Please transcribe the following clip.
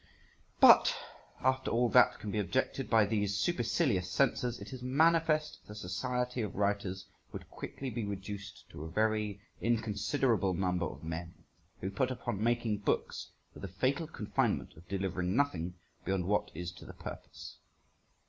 But after all that can be objected by these supercilious censors, it is manifest the society of writers would quickly be reduced to a very inconsiderable number if men were put upon making books with the fatal confinement of delivering nothing beyond what is to the purpose.